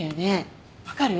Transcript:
分かる？